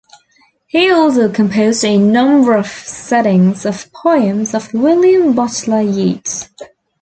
He also composed a number of settings of poems of William Butler Yeats.